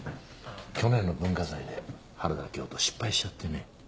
去年の文化祭で原田教頭失敗しちゃってね。